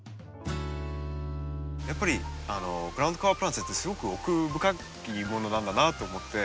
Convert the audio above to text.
やっぱりグラウンドカバープランツってすごく奥深いものなんだなと思って。